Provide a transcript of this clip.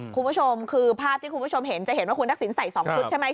คุณผู้ชมคือภาพที่คุณผู้ชมเห็นจะเห็นว่าคุณทักษิณใส่๒ชุดใช่ไหม